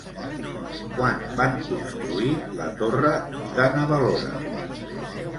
Quan van construir la torre de Na Valora?